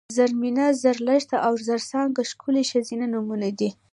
زرمېنه ، زرلښته او زرڅانګه ښکلي ښځینه نومونه دي